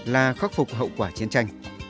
là khắc phục hậu quả chiến tranh